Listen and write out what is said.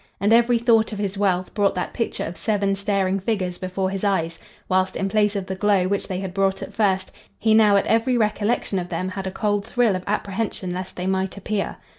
And every thought of his wealth brought that picture of seven staring figures before his eyes, whilst, in place of the glow which they had brought at first, he now at every recollection of them had a cold thrill of apprehension lest they might appear.